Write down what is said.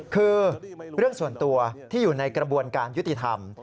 คือเรื่องส่วนตัวที่อยู่ในกระบวนการยุติธรรม